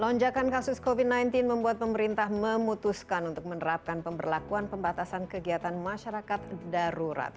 lonjakan kasus covid sembilan belas membuat pemerintah memutuskan untuk menerapkan pemberlakuan pembatasan kegiatan masyarakat darurat